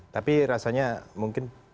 tapi rasanya mungkin